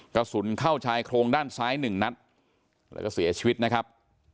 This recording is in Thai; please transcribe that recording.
กระสุนเข้าชายโครงด้านซ้ายหนึ่งนัดแล้วก็เสียชีวิตนะครับ